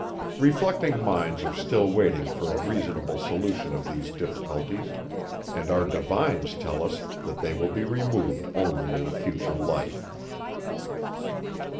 Reflecting minds are still waiting for a reasonable solution of these difficulties; and our divines tell us, that they will be removed only in a future life.